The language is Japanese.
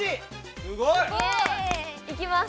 すごい！イエイ！いきます！